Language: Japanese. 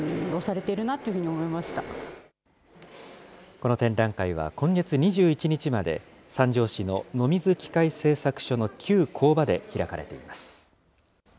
この展覧会は、今月２１日まで三条市の野水機械製作所の旧工場で開かれています。